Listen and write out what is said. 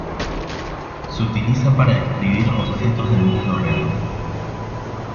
Se utiliza para describir objetos del mundo real.